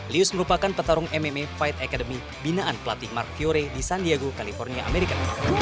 lius merupakan petarung mma fight academy binaan pelatih mark yore di sandiago california amerika